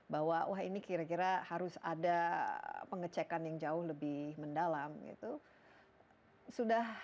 bahwa wah ini kira kira harus ada pengecekan yang jauh lebih mendalam gitu